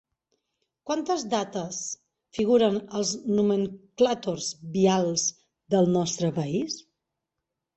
Quantes dates figuren als nomenclàtors vials del nostre país?